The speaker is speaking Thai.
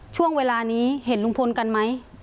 ช่วงเวลานี้เห็นลุงพลกันไหม